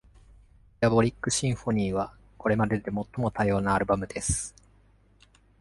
「ディアボリックシンフォニー」は、これまでで最も多様なアルバムです。